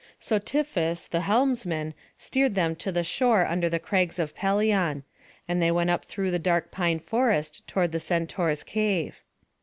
So Tiphys, the helmsman, steered them to the shore under the crags of Pelion; and they went up through the dark pine forests toward the Centaur's cave.